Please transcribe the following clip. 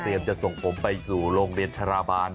จะส่งผมไปสู่โรงเรียนชราบาล